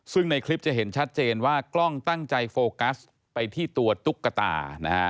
ซึ่งในคลิปจะเห็นชัดเจนว่ากล้องตั้งใจโฟกัสไปที่ตัวตุ๊กตานะฮะ